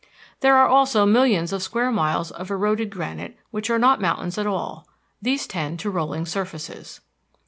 There are also millions of square miles of eroded granite which are not mountains at all. These tend to rolling surfaces.